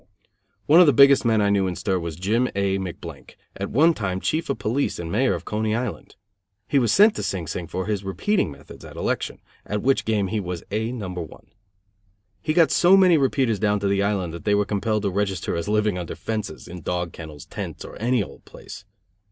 One of the biggest men I knew in stir was Jim A. McBlank, at one time chief of police and Mayor of Coney Island. He was sent to Sing Sing for his repeating methods at election, at which game he was A No. 1. He got so many repeaters down to the island that they were compelled to register as living under fences, in dog kennels, tents, or any old place.